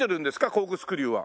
コークスクリューは。